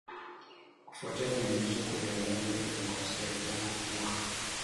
kufuatia kuingizwa kwa Jamhuri ya Kidemokrasi ya Kongo kuwa